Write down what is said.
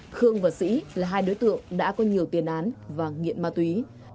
khương và sĩ là hai đối tượng đã có nhiều tiền án và nghiện ma túy